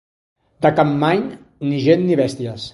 De Campmany, ni gent ni bèsties.